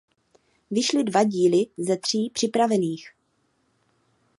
Vyšly dva díly ze tří připravených.